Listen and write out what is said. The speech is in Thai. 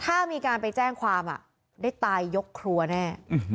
ถ้ามีการไปแจ้งความได้ตายยกครัวแน่